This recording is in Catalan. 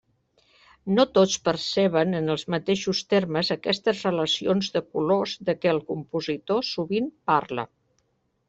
No tots perceben en els mateixos termes aquestes relacions de colors de què el compositor sovint parla.